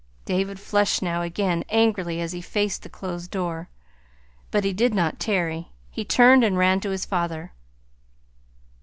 David flushed now again, angrily, as he faced the closed door. But he did not tarry. He turned and ran to his father.